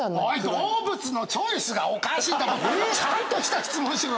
動物のチョイスがおかしいちゃんとした質問しろよ